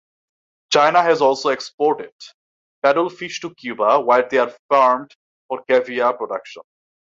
China has also exported paddlefish to Cuba, where they are farmed for caviar production.